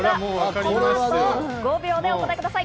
この後、５秒でお答えください。